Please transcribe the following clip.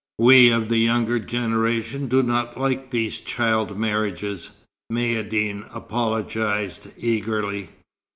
"We of the younger generation do not like these child marriages," Maïeddine apologized, eagerly.